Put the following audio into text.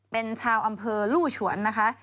เป็นชาวอำเภอลู่ฉวนนะคะ